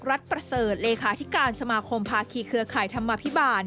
กิติศักดิ์รัฐประเสริฐเลขาอธิการสมาคมพาขี่เครือข่ายธรรมภิบาล